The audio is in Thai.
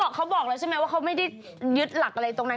เขาบอกแล้วใช่ไหมว่าเขาไม่ได้ยึดหลักอะไรตรงนั้น